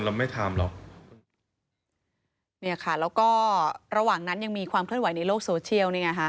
เราไม่ทำหรอกเนี่ยค่ะแล้วก็ระหว่างนั้นยังมีความเคลื่อนไหวในโลกโซเชียลนี่ไงฮะ